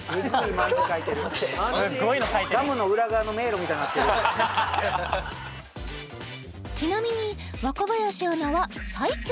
まんじ書いてるガムの裏側の迷路みたいになってるちなみに若林アナは「最強！！」